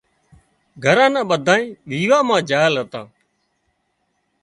گھرنان ٻڌانئين ويوان مان جھل هتان